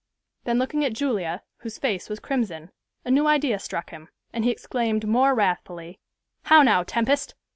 Then looking at Julia, whose face was crimson, a new idea struck him, and he exclaimed more wrathfully, "How now, Tempest?